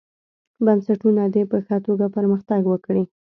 بنسټونه دې په ښه توګه پرمختګ وکړي.